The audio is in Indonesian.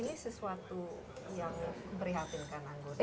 ini sesuatu yang memprihatinkan anggota